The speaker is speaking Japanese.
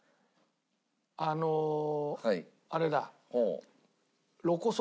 あのあれだ。